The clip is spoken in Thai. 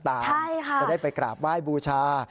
ใช่ค่ะจะได้ไปกราบไหว้บูชา